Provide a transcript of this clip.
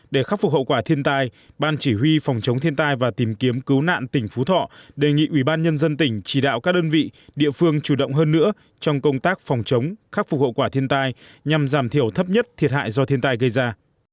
để khắc phục hậu quả thiên tai ban chỉ huy phòng chống thiên tai và tìm kiếm cứu nạn tỉnh phú thọ đề nghị ủy ban nhân dân tỉnh chỉ đạo các đơn vị địa phương chủ động hơn nữa trong công tác phòng chống khắc phục hậu quả thiên tai nhằm giảm thiểu thấp nhất thiệt hại do thiên tai gây ra